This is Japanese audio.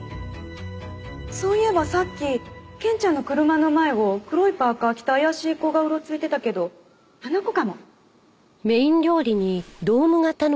そういえばさっき賢ちゃんの車の前を黒いパーカ着た怪しい子がうろついてたけどあの子かも。